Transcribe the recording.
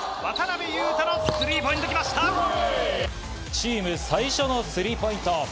チーム最初のスリーポイント。